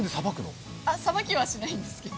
さばきはしないんですけど。